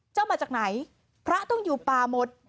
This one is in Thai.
มาจากไหนพระต้องอยู่ป่าหมด